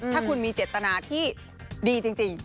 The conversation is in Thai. ถ้าคุณมีเจตนาที่ดีจริง